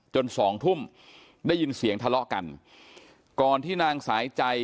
สองทุ่มได้ยินเสียงทะเลาะกันก่อนที่นางสายใจ